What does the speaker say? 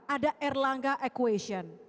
ada erlangga equation